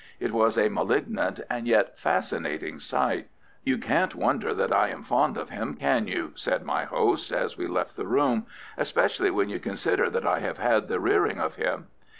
It was a malignant and yet fascinating sight. "You can't wonder that I am fond of him, can you?" said my host, as we left the room, "especially when you consider that I have had the rearing of him.